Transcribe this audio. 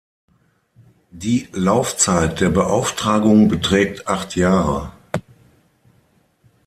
Die Laufzeit der Beauftragung beträgt acht Jahre.